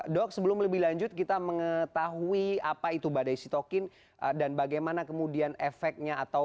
dok sebelum lebih lanjut kita mengetahui apa itu badai sitokin dan bagaimana kemudian efeknya atau